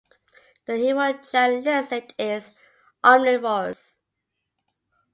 The Hierro giant lizard is omnivorous.